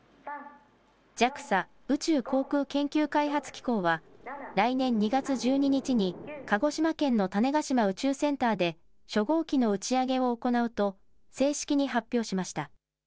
ＪＡＸＡ・宇宙航空研究開発機構は来年２月１２日に鹿児島県の種子島宇宙センターで初号機の打ち上げを行うと正式に発表しました。